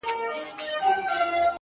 ته د رنگونو د خوبونو و سهار ته گډه’